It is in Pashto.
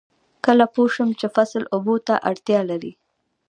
کله پوه شم چې فصل اوبو ته اړتیا لري؟